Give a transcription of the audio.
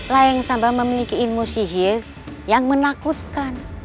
layang sambal memiliki ilmu sihir yang menakutkan